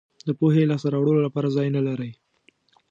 د پوهې لاسته راوړلو لپاره ځای نه لرئ.